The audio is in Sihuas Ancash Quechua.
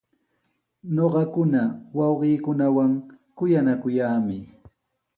Ñuqakuna wawqiikunawan kuyanakuyaami.